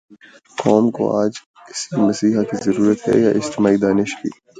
قوم کو آج کسی مسیحا کی ضرورت ہے یا اجتماعی دانش کی؟